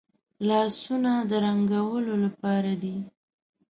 لاسونه د رنګولو لپاره دي